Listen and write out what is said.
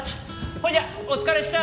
ほいじゃお疲れっした！